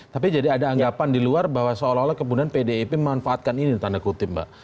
tapi jadi ada anggapan di luar bahwa seolah olah kemudian pdip memanfaatkan ini tanda kutip mbak